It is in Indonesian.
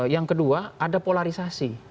yang kedua ada polarisasi